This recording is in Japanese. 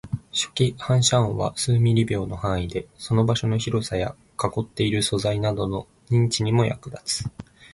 初期反射音は数ミリ秒の範囲で、その場所の広さや囲っている素材などの認知にも役立つ